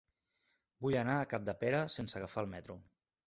Vull anar a Capdepera sense agafar el metro.